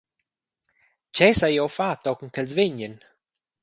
Tgei sai jeu far tochen ch’els vegnan?